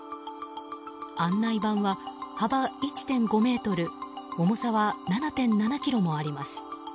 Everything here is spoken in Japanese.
案内板は幅１．５ｍ重さは７．７ｋｇもあります。